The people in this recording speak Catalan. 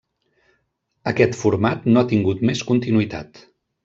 Aquest format no ha tingut més continuïtat.